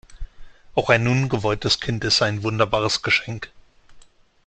Auch ein ungewolltes Kind ist ein wunderbares Geschenk.